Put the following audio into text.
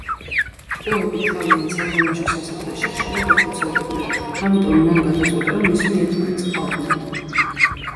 კუები თავიანთ სათამაშო სასახლეში ხშირად იხოცებოდნენ, ამიტომ მან გადაწყვიტა, რომ ისინი ერთმანეთს კლავდნენ.